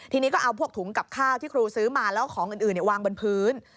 ทีนี้ก็เอาพวกถุงกับข้าวที่ครูซื้อมาแล้วของอื่นวางบนพื้น